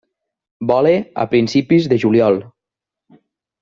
Vola a principis de juliol.